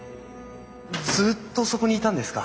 ずっとそこにいたんですか？